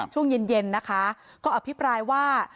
ช่วงเย็นนะคะก็อภิปรายว่า